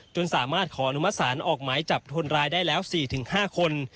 จนสามารถขออนุมัติศาลออกหมายจับคนร้ายได้แล้ว๔๕คน